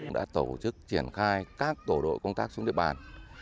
đã tổ chức triển khai các tổ đội công tác xuống địa bàn